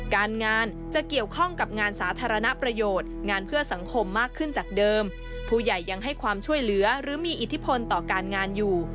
การงานจะเกี่ยวข้องกับงานสาธารณประโยชน์งานเพื่อสังคมมากขึ้นจากเดิมผู้ใหญ่ยังให้ความช่วยเหลือหรือมีอิทธิพลต่อการงานอยู่